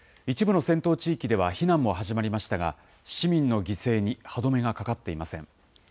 一部の戦闘地域では避難も始まりましたが、市民の犠牲に歯止めがかかっていません。